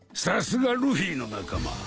さすがルフィの仲間。